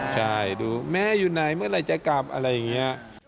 ใช่ดูแม่อยู่ไหนเมื่อไหร่จะกลับอะไรอย่างนี้